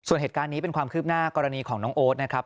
ส่วนเหตุการณ์นี้เป็นความคืบหน้ากรณีของน้องโอ๊ตนะครับ